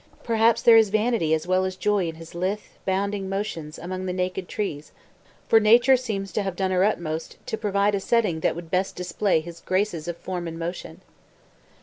Perhaps there is vanity as well as joy in his lithe, bounding motions among the naked trees, for nature seems to have done her utmost to provide a setting that would best display his graces of form and motion.